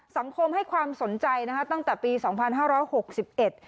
สังคมให้ความสนใจนะคะตั้งแต่ปีสองพันห้าร้อยหกสิบเอ็ด